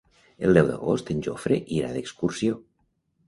El deu d'agost en Jofre irà d'excursió.